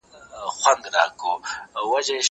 زه اوږده وخت کتاب وليکم!!